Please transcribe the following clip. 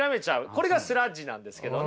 これがスラッジなんですけどね。